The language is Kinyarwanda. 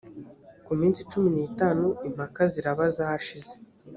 ku minsi cumi n itanu impaka ziraba zashize